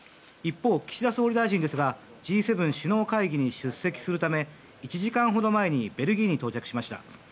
一方、岸田総理ですがＧ７・首脳会議に出席するため１時間ほど前にベルギーに到着しました。